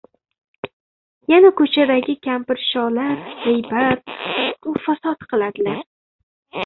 yana, ko‘chadagi kampirsholar g‘iybat, fisqu fasod qiladilar.